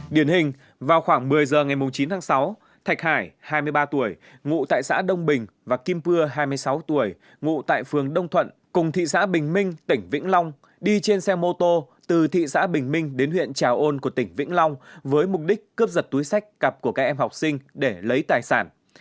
điển hình vào khoảng một mươi giờ ngày chín tháng sáu thạch hải hai mươi ba tuổi ngụ tại xã đông bình và kim pưa hai mươi sáu tuổi ngụ tại phường đông thuận cùng thị xã bình minh tỉnh vĩnh long đi trên xe mô tô từ thị xã bình minh đến huyện trà ôn của tỉnh vĩnh long với mục đích cướp giật túi sách cặp của các em học sinh để lấy tài sản